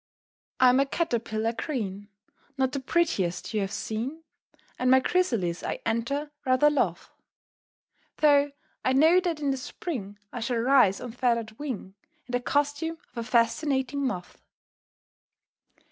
I'M a Caterpillar green, Not the prettiest you have seen, And my Chrysalis I enter rather loth; Though I know that in the spring I shall rise on feathered wing In the costume of a fascinating Moth.